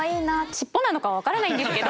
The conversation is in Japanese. しっぽなのかは分からないんですけど。